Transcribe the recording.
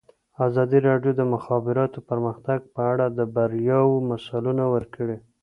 ازادي راډیو د د مخابراتو پرمختګ په اړه د بریاوو مثالونه ورکړي.